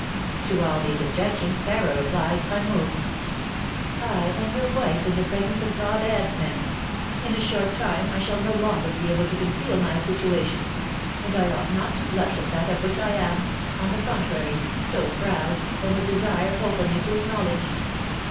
To all these objections Sarah replied, unmoved: "I am your wife in the presence of God and men. In a short time, I shall no longer be able to conceal my situation; and I ought not to blush at that of which I am, on the contrary, so proud, and would desire openly to acknowledge."